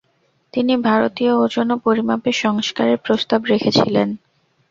তিনি ভারতীয় ওজন ও পরিমাপের সংস্কারের প্রস্তাব রেখেছিলেন।